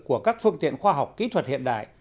của các phương tiện khoa học kỹ thuật hiện đại